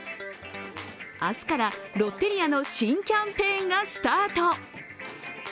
明日からロッテリアの新キャンペーンがスタート。